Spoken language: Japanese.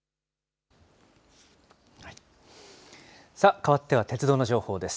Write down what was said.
変わっては鉄道の情報です。